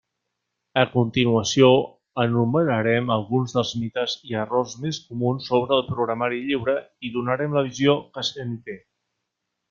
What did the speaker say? A continuació enumerarem alguns dels mites i errors més comuns sobre el programari lliure i donarem la visió que se n'hi té.